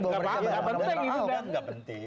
oh iya tidak apa apa tidak penting